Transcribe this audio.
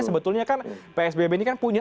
sebetulnya kan psbb ini kan punya